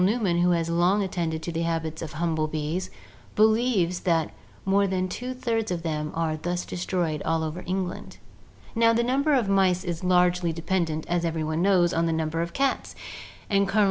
Newman, who has long attended to the habits of humble bees, believes that 'more than two thirds of them are thus destroyed all over England/ Now the number of mice is largely dependent, as every one knows, on the number of cats; and Col.